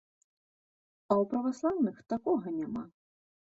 А ў праваслаўных такога няма.